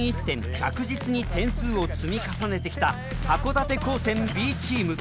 着実に点数を積み重ねてきた函館高専Ｂチーム。